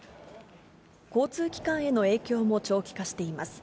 交通機関への影響も長期化しています。